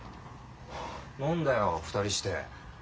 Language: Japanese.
何だよ２人して。